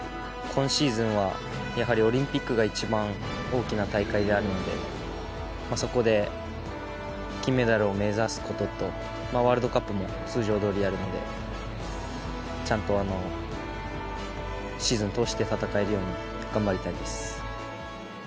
今シーズンは、やはりオリンピックが一番大きな大会であるので、そこで金メダルを目指すことと、ワールドカップも通常どおりやるので、ちゃんとシーズン通して戦えるように頑張りたいです。